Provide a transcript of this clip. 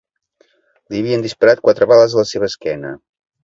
Li havien disparat quatre bales a la seva esquena.